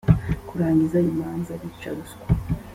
kurangiza imanza bica ruswa.